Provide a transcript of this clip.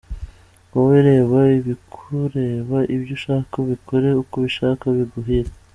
Wowe reba ibikureba, ibyo ushaka ubikore uko ubishaka, biguhire.